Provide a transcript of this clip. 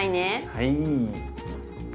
はい。